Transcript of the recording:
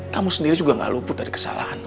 kamu sendiri juga gak luput dari kesalahan noh